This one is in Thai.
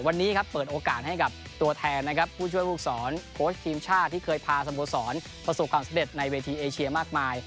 วันนี้ครับเปิดโอกาสให้กับตัวแทนนะครับผู้ช่วยผู้สอนโค้ชทีมชาติที่เคยพาสโมสรประสบความสำเร็จในเวทีเอเชียมากมาย